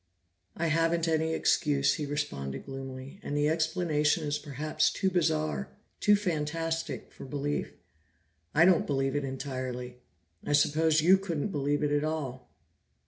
"I haven't any excuse," he responded gloomily, "and the explanation is perhaps too bizarre, too fantastic for belief. I don't believe it entirely; I suppose you couldn't believe it at all."